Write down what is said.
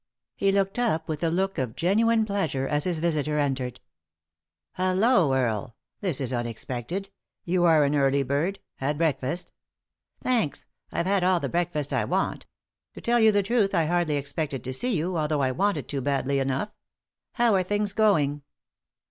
He looked up with a look of genuine pleasure as his visitor entered. "Hallo, Earle 1 — this is unexpected — you are an early bird. Had breakfast ?" "Thanks; I've had all the breakfast I want To tell you the troth, I hardly expected to see you, although I wanted to badly enough. How are things going?"